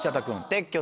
撤去？